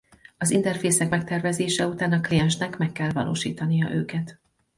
Az interfészek megtervezése után a kliensnek meg kell valósítania őket.